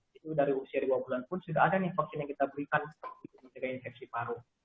jadi dari usia dua bulan pun sudah ada nih vaksin yang kita berikan untuk mencegah infeksi paru